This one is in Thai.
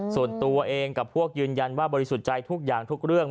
ส่วนตัวเองกับพวกยืนยันว่าบริสุทธิ์ใจทุกอย่างทุกเรื่อง